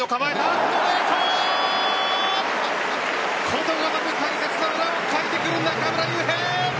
ことごとく解説の裏をかいてくる中村悠平！